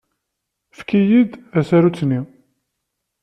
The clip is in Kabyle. Efk-iyi-d tasarut-nni.